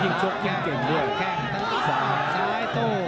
ยิ่งชกยิ่งเก่งด้วย